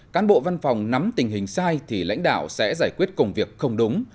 cán bộ văn phòng nắm tình hình sai thì lãnh đạo sẽ giải quyết công việc không đúng